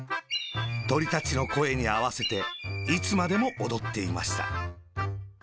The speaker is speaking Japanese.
トリたちのこえにあわせて、いつまでもおどっていました。